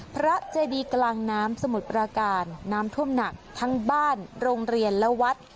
เจดีกลางน้ำสมุทรปราการน้ำท่วมหนักทั้งบ้านโรงเรียนและวัด